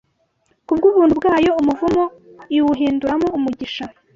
Kubw’ubuntu bwayo, umuvumo iwuhinduramo umugisha.